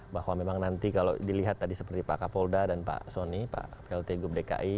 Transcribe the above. bahwa memang nanti kalau dilihat tadi seperti pak kapolda dan pak sony pak vlt gubleki